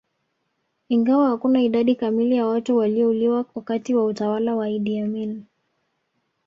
Ingawa hakuna idadi kamili ya watu waliouliwa wakati wa utawala wa Idi Amin